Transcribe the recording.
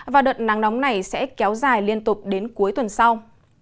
và đợt nắng nóng này sẽ kéo dài liên tục đến cuối tuần sau